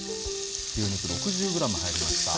牛肉６０ｇ入りました。